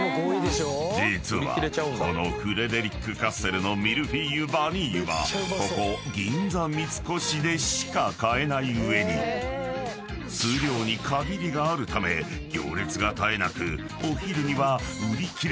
［実はこのフレデリック・カッセルのミルフイユ・ヴァニーユはここ銀座三越でしか買えない上に数量に限りがあるため行列が絶えなく］